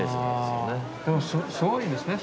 でもすごいですね